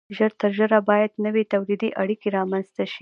ژر تر ژره باید نوې تولیدي اړیکې رامنځته شي.